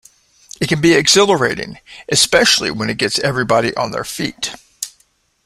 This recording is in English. It can be exhilarating, especially when it gets everybody on their feet.